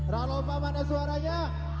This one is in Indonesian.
rallopa mana suaranya